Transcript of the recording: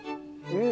うん。